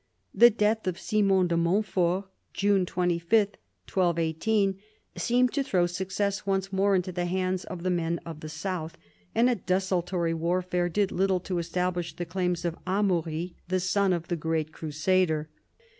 The death of Simon de Montfort, June 25, 1218, seemed to throw success once more into the hands of the men of the south, and a desultory warfare did little to establish the claims of Amaury, the son of the great crusader.